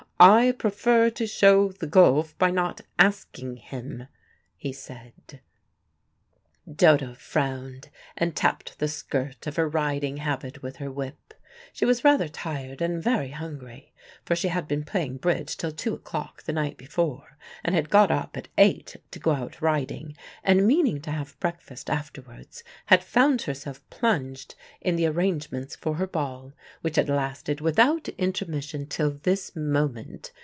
"I prefer to show the gulf by not asking him," he said. Dodo frowned, and tapped the skirt of her riding habit with her whip. She was rather tired and very hungry, for she had been playing bridge till two o'clock the night before, and had got up at eight to go out riding, and, meaning to have breakfast afterwards, had found herself plunged in the arrangements for her ball, which had lasted without intermission till this moment.